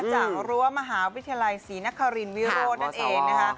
รั้วมหาวิทยาลัยศรีนครินวิโรธนั่นเองนะคะ